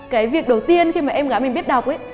cái việc đầu tiên khi mà em gái mình biết đọc ấy